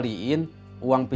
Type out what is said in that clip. tidak ada apa apa